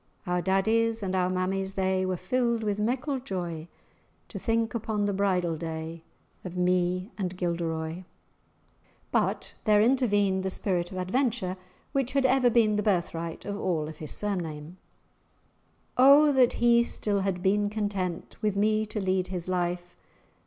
Our daddies and our mammies they Were filled with meikle joy, To think upon the bridal day Of me and Gilderoy." [#] Shoes. But there intervened the spirit of adventure which had ever been the birthright of all of his surname, "Oh, that he still had been content With me to lead his life!